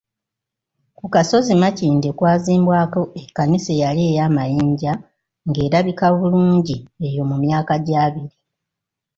Ku kasozi Makindye kwazimbwako ekkanisa eyali ey’amayinja nga erabika bulungi eyo mu myaka gy'abiri.